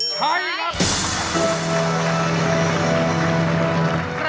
ใช้ครับ